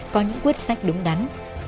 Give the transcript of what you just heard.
có những quyết sách đúng đắn